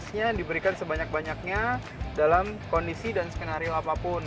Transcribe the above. prosesnya diberikan sebanyak banyaknya dalam kondisi dan skenario apapun